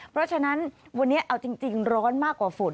เพราะฉะนั้นวันนี้เอาจริงร้อนมากกว่าฝน